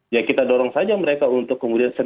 ya kita dorong saja mereka untuk kemudian